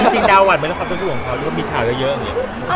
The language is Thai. จริงดาววันมันความสู้สู้ของเขามีข่าวเยอะ